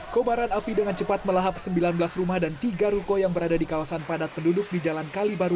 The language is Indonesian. kepala kepala kepala